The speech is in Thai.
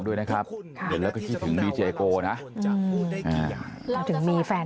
ด้วยนะครับเดี๋ยวแล้วก็ที่ถึงนะอืมอ่าถึงมีแฟน